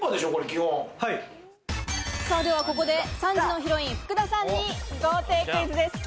ではここで３時のヒロイン・福田さんに豪邸クイズです。